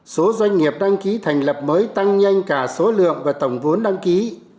số doanh nghiệp đăng ký thành lập mới tăng nhanh cả số lượng và tổng vốn đăng ký